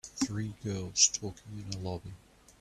Three girls talking in a lobby.